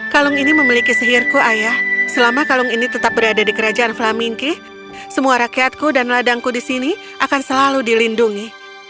kalung ini memiliki sihirku ayah selama kalung ini tetap berada di kerajaan flamingki semua rakyatku dan ladangku di sini akan selalu dilindungi